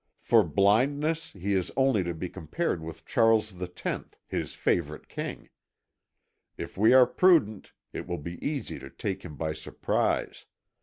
For blindness he is only to be compared with Charles X, his favourite king. If we are prudent it will be easy to take him by surprise.